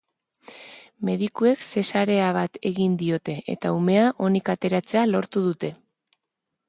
Medikuek zesarea bat egin diote eta umea onik ateratzea lortu dute.